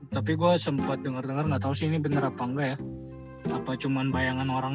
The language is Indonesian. tapi gua sempat denger denger nggak tahu sih ini bener apa nggak ya apa cuman bayangan orang